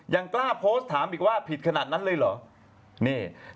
ยังกล้าโพสต์ถามอีกว่าผิดขนาดนั้นเลยเหรอ